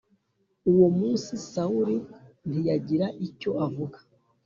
Uwo munsi Sawuli ntiyagira icyo avuga